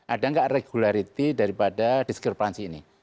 ada nggak regularity daripada diskrepretasi ini